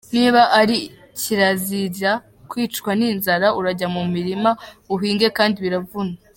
Niba ari kirazira kwicwa ni inzara urajya mu murima uhinge kandi biravuna.